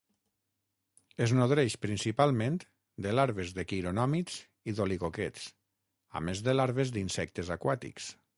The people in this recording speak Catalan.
Es nodreix principalment de larves de quironòmids i d'oligoquets, a més de larves d'insectes aquàtics.